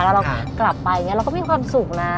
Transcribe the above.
แล้วเรากลับไปเราก็มีความสุขนะ